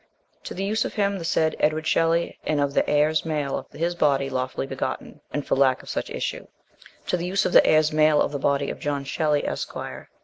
To the use of him the said Edward Shelley and of the heirs male of his hody lawfully begotten, and for lack of such issue To the use of the heirs male of the body of John Shelley, Esqre.